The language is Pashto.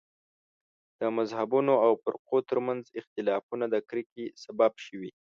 د مذهبونو او فرقو تر منځ اختلافونه د کرکې سبب شوي.